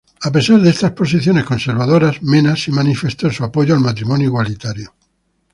A pesar de estas posiciones conservadoras, Mena sí manifestó su apoyo al matrimonio igualitario.